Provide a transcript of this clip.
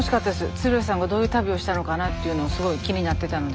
鶴瓶さんがどういう旅をしたのかなっていうのをすごい気になってたので。